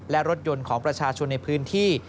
และรถยนต์ของประชาชนในพื้นที่